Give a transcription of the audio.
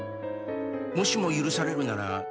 「もしも許されるなら」